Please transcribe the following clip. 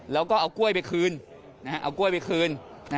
แล้วก็เอากล้วยไปคืนเอากล้วยไปคืน